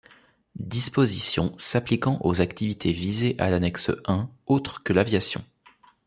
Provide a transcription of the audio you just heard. Dispositions s'appliquant aux activités visées à l'annexe I autres que l'aviation.